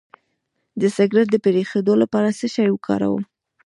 د سګرټ د پرېښودو لپاره څه شی وکاروم؟